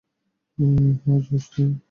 হ্যাঁ, জোশ, তাই না?